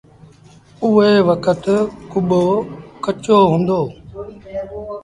اُئي وکت ڪٻو ڪچو هُݩدو۔